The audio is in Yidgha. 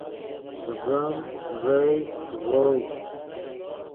ڤیم، ڤئے، ڤؤ